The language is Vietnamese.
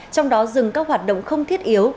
trong đó dừng các hoạt động không thiết yếu